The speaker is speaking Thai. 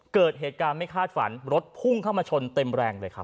เกิดเหตุการณ์ไม่คาดฝันรถพุ่งเข้ามาชนเต็มแรงเลยครับ